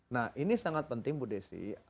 nah ini sangat penting bu desi